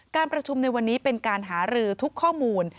การประชุมในวันนี้เป็นการหารือทุกข้อมูล